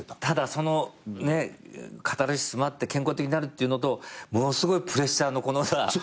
ただそのカタルシスもあって健康的になるっていうのとものすごいプレッシャーのこのさ。